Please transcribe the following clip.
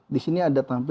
disini ada tampil